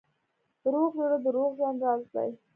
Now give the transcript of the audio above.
روغ زړه د روغ ژوند راز دی.